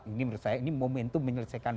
ini menurut saya ini momentum menyelesaikan